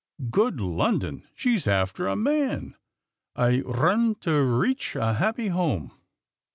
Good London! she's after a man! I rrun to rreach a happpy Homme.